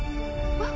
あっ！